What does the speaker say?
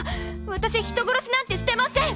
私人殺しなんてしてません！